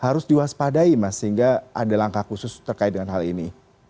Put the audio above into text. harus diwaspadai mas sehingga ada langkah khusus terkait dengan hal ini